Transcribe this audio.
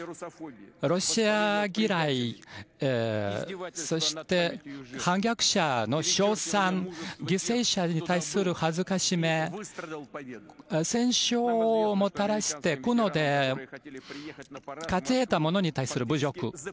ロシア嫌い、そして反逆者の賞賛犠牲者に対する辱め戦勝をもたらして勝ち得たものに対する侮辱。